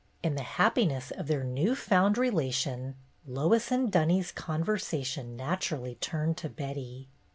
In the happiness of their new found rela tion Lois and Dunny's conversation naturally turned to Betty.